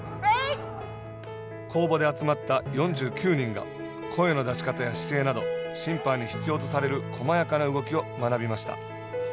公募で集まった４９人が声の出し方や姿勢など審判に必要とされる細やかな動きを学びました。